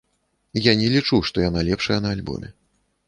Я не лічу, што яна лепшая на альбоме.